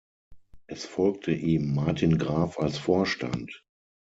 Es folgte ihm Martin Graf als Vorstand.